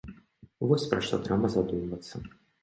Вось, пра што трэба задумвацца.